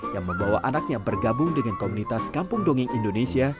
yang membawa anaknya bergabung dengan komunitas kampung dongeng indonesia